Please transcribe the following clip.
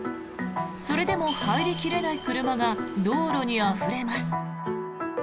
それでも入り切れない車が道路にあふれます。